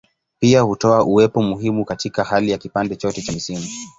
Pia hutoa uwepo muhimu katika hali ya kipande chote cha misimu.